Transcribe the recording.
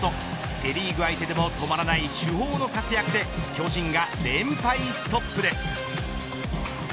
セ・リーグ相手でも止まらない主砲の活躍で巨人が連敗ストップです。